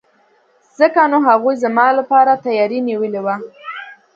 ځکه نو هغوی زما لپاره تیاری نیولی وو.